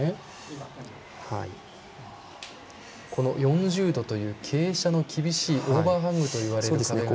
４０度という傾斜の厳しいオーバーハングと呼ばれる。